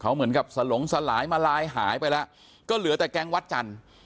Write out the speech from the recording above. เหมือนกับสลงสลายมาลายหายไปแล้วก็เหลือแต่แก๊งวัดจันทร์